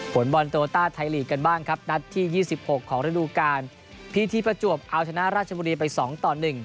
ผลบอลโตต้าไทยลีกกันบ้างครับนัดที่๒๖ของฤดูกาลพีทีประจวบเอาชนะราชบุรีไปสองต่อหนึ่ง